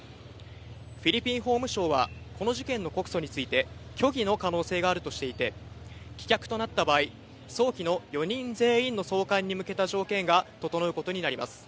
フィリピン法務省はこの事件の告訴について、虚偽の可能性があるとしていて、棄却となった場合、早期の４人全員の送還に向けた条件が整うことになります。